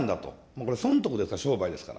これ、損得ですから、商売ですから。